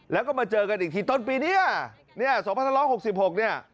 แล้วก็มาเจอกันอีกทีต้นปีเนี่ย๒๑๖๖เนี่ย